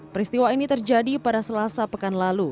peristiwa ini terjadi pada selasa pekan lalu